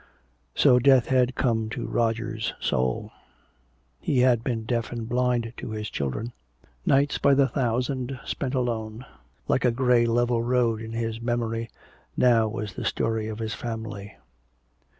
So death had come to Roger's soul. He had been deaf and blind to his children. Nights by the thousand spent alone. Like a gray level road in his memory now was the story of his family.